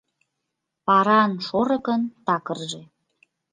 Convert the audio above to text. Паран шорыкын такырже.